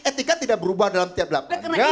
etika tidak berubah dalam setiap delapan jam